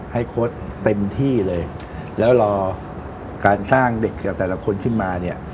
โค้ดเต็มที่เลยแล้วรอการสร้างเด็กจากแต่ละคนขึ้นมาเนี่ย